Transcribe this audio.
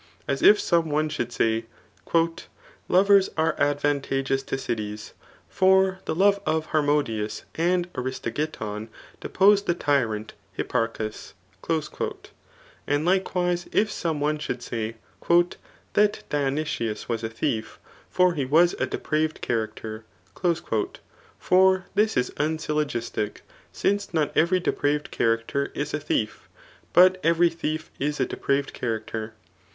As if some one should say,^ ^ Loveis are advantageous to cides ; for the love of Harmodtus and Aristogiton deposed the tyrant Hippar ehiis/' And, likewise, if some one should say, *^ That Dionysius was a thief; for he was a depraved character.'' For this is unsyllogistic ; since not every depraved cha racter is a thief, but every thief is a depraved character.